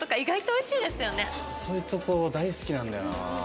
そういうとこ大好きなんだよな。